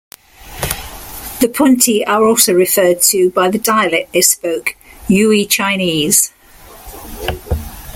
The Punti are also referred to by the dialect they spoke, Yue Chinese.